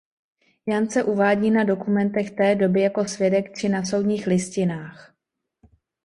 Jan se uvádí na dokumentech té doby jako svědek či na soudních listinách.